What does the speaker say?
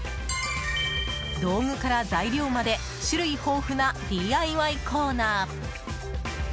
道具から材料まで種類豊富なＤＩＹコーナー。